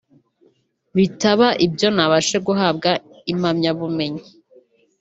bitaba ibyo ntabashe guhabwa impamyabumenyi